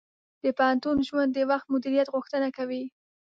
د پوهنتون ژوند د وخت مدیریت غوښتنه کوي.